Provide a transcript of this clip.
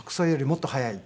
もっと早い。